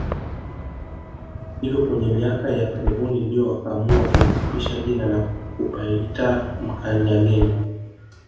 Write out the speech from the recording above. Hivyo kwenye miaka ya karibuni ndio wakaamua kulifupisha jina na kupaita Mkanyageni